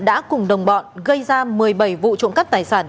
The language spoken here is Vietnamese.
đã cùng đồng bọn gây ra một mươi bảy vụ trộm cắp tài sản